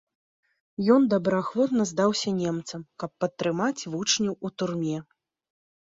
Ён добраахвотна здаўся немцам, каб падтрымаць вучняў у турме.